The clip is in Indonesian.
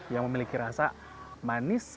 yang memiliki rasa manis